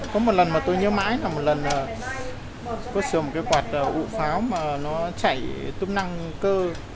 có một lần mà tôi nhớ mãi là một lần có sửa một quạt ụ pháo mà nó chảy túm năng cơ